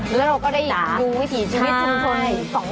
แล้วเราก็ได้ดูวิถีชีวิตชุมชน